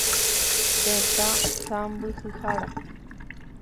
Tetã sãmbyhyhára.